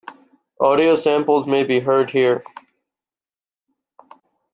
Audio samples may be heard here.